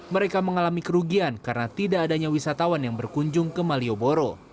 mereka mengalami kerugian karena tidak adanya wisatawan yang berkunjung ke malioboro